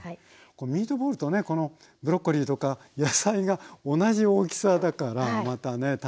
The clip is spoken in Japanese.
ミートボールとねこのブロッコリーとか野菜が同じ大きさだからまたね